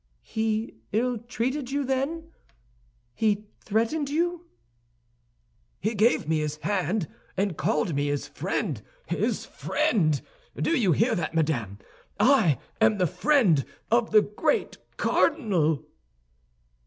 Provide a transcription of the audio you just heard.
"He ill treated you, then; he threatened you?" "He gave me his hand, and called me his friend. His friend! Do you hear that, madame? I am the friend of the great cardinal!"